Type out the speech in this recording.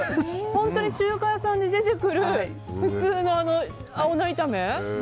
本当に中華屋さんで出てくる普通の青菜炒め。